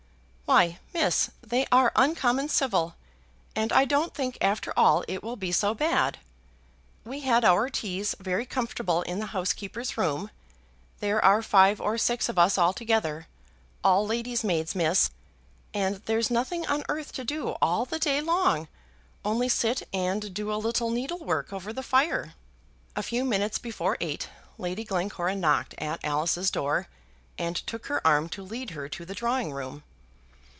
"Why, miss, they are uncommon civil, and I don't think after all it will be so bad. We had our teas very comfortable in the housekeeper's room. There are five or six of us altogether, all ladies' maids, miss; and there's nothing on earth to do all the day long, only sit and do a little needlework over the fire." A few minutes before eight Lady Glencora knocked at Alice's door, and took her arm to lead her to the drawing room.